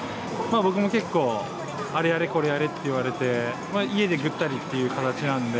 僕も結構、あれやれ、これやれって言われて、家でぐったりという形なんで。